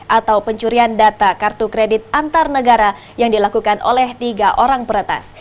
atau pencurian data kartu kredit antar negara yang dilakukan oleh tiga orang peretas